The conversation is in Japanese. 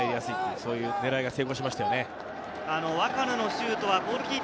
そういう狙いが成功しましたね。